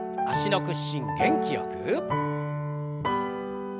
脚の屈伸元気よく。